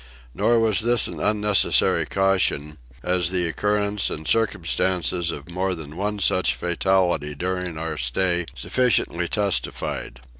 Nor was this an unnecessary caution, as the occurrence and circumstances of more than one such fatality during our stay sufficiently testified.